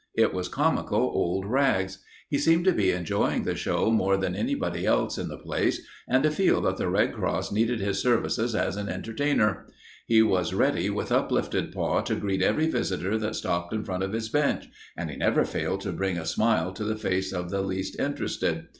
It was comical old Rags. He seemed to be enjoying the show more than anybody else in the place and to feel that the Red Cross needed his services as an entertainer. He was ready with uplifted paw to greet every visitor that stopped in front of his bench and he never failed to bring a smile to the face of the least interested.